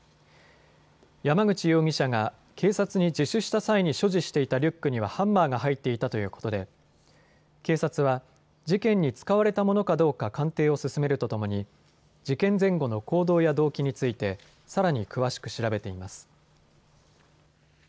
山口容疑者が警察に自首した際に所持していたリュックにはハンマーが入っていたということで警察は事件に使われたものかどうか鑑定を進めるとともに事件前後の行動や動機についてさらに詳しく調べています。